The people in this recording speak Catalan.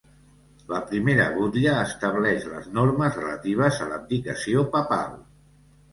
La primera butlla estableix les normes relatives a l'abdicació papal.